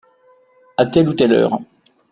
À telle ou telle heure.